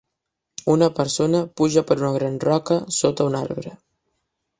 Una persona puja per una gran roca sota un arbre.